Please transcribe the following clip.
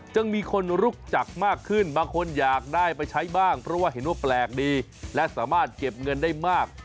จึงมีคนลุกจักมากขึ้นบางคนอยากได้ไปใช้บ้างเพราะว่าเห็นว่าแปลกดีและสามารถเก็บเงินได้มาก